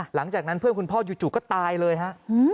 หลังจากนั้นเพื่อนคุณพ่อจู่ก็ตายเลยฮะ